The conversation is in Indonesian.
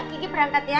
kiki perangkat ya